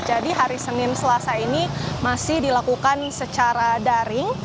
jadi hari senin selasa ini masih dilakukan secara daring